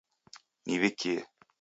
Niwikie